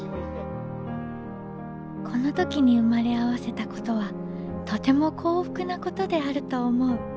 「この時に生まれ合わせたことはとても幸福なことであると思う。